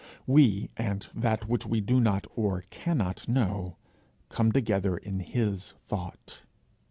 We and that which we do not or cannot know, come together in his thought.